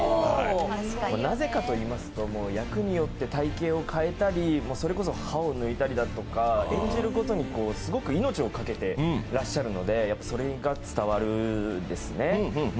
なぜかといいますと、役によって体形を変えたりそれこそ歯を抜いたりだとか、演じることにすごく命を懸けてらっしゃるのでそれが伝わるんですね。